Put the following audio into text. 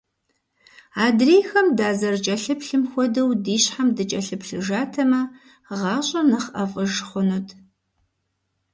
Адрейхэм дазэрыкӀэлъыплъым хуэдэу ди щхьэм дыкӀэлъыплъыжатэмэ, гъащӀэр нэхъ ӀэфӀыж хъунут.